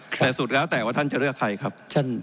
แต่สุดแล้วแต่ว่าท่านจะเลือกใครครับ